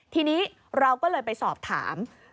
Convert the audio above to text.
ทีนี้เราก็เลยไปสอบถาม